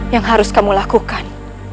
yang harus kamu lakukan